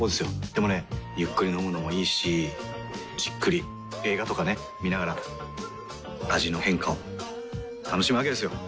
でもねゆっくり飲むのもいいしじっくり映画とかね観ながら味の変化を楽しむわけですよ。